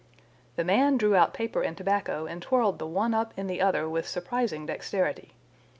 The man drew out paper and tobacco and twirled the one up in the other with surprising dexterity.